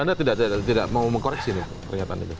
anda tidak mau mengkoreksi pernyataan itu